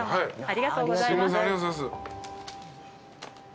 ありがとうございます。